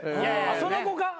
その子か？